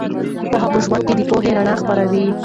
پوهه په ژوند کې د پوهې رڼا خپروي.